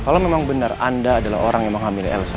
kalau memang benar anda adalah orang yang menghamili elsa